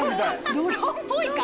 ドローンっぽいか！？